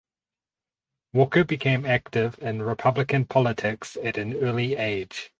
Walker became active in Republican politics at an early age.